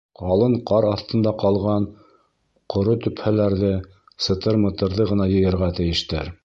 Ҡалын ҡар аҫтында ҡалған ҡоро төпһәләрҙе, сытыр-мытырҙы ғына йыйырға тейештәр.